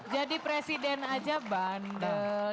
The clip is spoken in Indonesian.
jadi presiden aja bandel